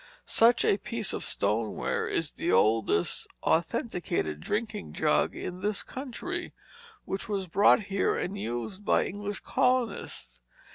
Such a piece of stoneware is the oldest authenticated drinking jug in this country, which was brought here and used by English colonists.